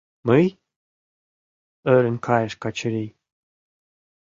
— Мый? — ӧрын кайыш Качырий.